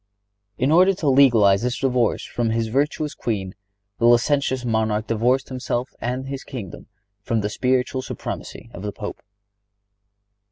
In order to legalize his divorce from his virtuous queen the licentious monarch divorced himself and his kingdom from the spiritual supremacy of the Pope.